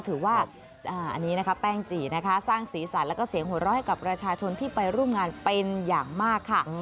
ถือว่าอันนี้นะคะแป้งจี่นะคะสร้างสีสันแล้วก็เสียงหัวเราะให้กับประชาชนที่ไปร่วมงานเป็นอย่างมากค่ะ